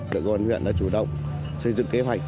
đội công an huyện đã chủ động xây dựng kế hoạch